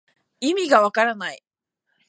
いみがわからない